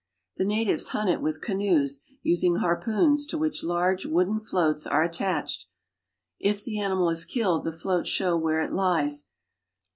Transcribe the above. The natives hunt it with canoes, using harpoons to which large, wooden floats are attached. If the animal is killed, the floats show where it lies.